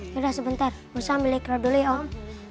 yaudah sebentar musa ambil ikhla dulu ya om